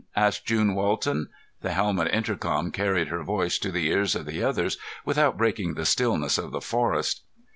asked June Walton. The helmet intercom carried her voice to the ears of the others without breaking the stillness of the forest.